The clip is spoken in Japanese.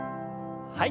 はい。